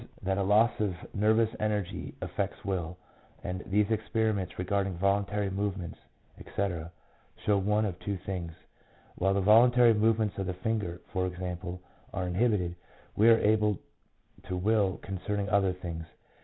that a loss of nervous energy affects will ; and these experiments regarding voluntary movements, etc., show one of two things. While the volun tary movements of the finger, for example, are inhibited, we are able to will concerning other things.